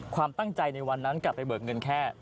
ความตั้งใจในวันนั้นกลับไปเบิกเงินแค่